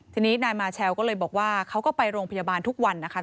ทีนี้นายมาเชลก็เลยบอกว่าเขาก็ไปโรงพยาบาลทุกวันนะคะ